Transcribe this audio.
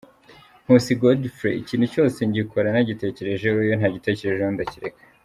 Nkusi Godfrey: Ikintu cyose ngikora nagitekerejeho, iyo ntagitekerejeho ndakireka.